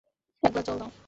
এক গ্লাস জল দাও।